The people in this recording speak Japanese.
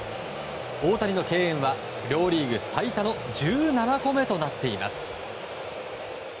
大谷の敬遠は両リーグ最多の１７個目となっています。